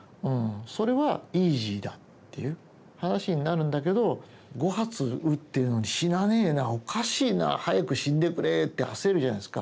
それはイージーだっていう話になるんだけど「５発撃ってるのに死なねえなおかしいな早く死んでくれ」って焦るじゃないですか。